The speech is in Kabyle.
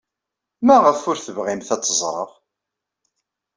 Maɣef ur tebɣimt ad ẓreɣ?